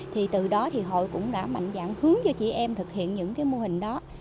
thì từ đó thì hội cũng đã mạnh dạng hướng cho chị em thực hiện những cái mô hình đó